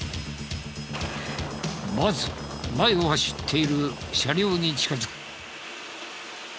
まず前を走っている車両に近づく。